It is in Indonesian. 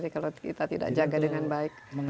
kalau kita tidak jaga dengan baik